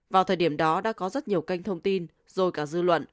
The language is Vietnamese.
vào thời điểm đó đã có rất nhiều kênh thông tin rồi cả dư luận